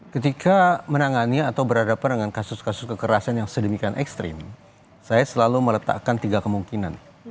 ketika menangani atau berhadapan dengan kasus kasus kekerasan yang sedemikian ekstrim saya selalu meletakkan tiga kemungkinan